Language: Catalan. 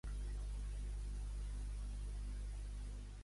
Més de disseny, cuina d'autor, Llumí, al mig a més.